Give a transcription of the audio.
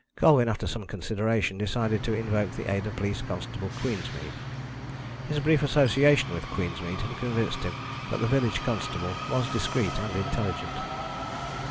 Colwyn, after some consideration, decided to invoke the aid of Police Constable Queensmead. His brief association with Queensmead had convinced him that the village constable was discreet and intelligent.